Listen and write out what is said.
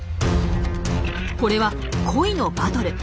これは恋のバトル。